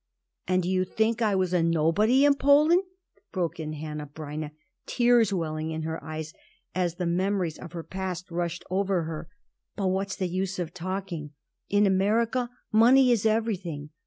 "And do you think I was a nobody in Poland?" broke in Hanneh Breineh, tears welling in her eyes as the memories of her past rushed over her. "But what's the use of talking? In America money is everything.